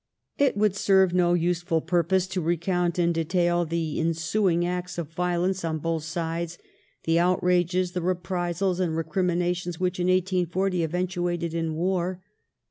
It would serve no useful purpose to recount in detail the ensu ing acts of violence on both sides, the outrages, the reprisals, and recriminations which in 1840 eventuated in war.